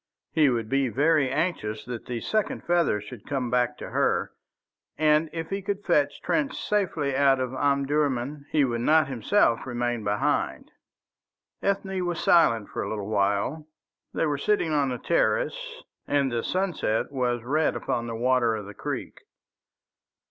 He would be very anxious that the second feather should come back to her, and if he could fetch Trench safely out of Omdurman, he would not himself remain behind. Ethne was silent for a little while. They were sitting on the terrace, and the sunset was red upon the water of the creek.